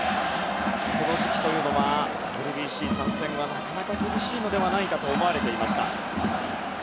この時期というのはＷＢＣ参戦がなかなか厳しいのではないかと思われていました。